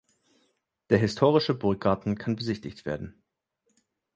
Der historische Burggarten kann besichtigt werden.